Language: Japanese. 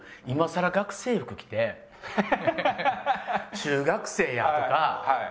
今さら学生服着て中学生やるとか。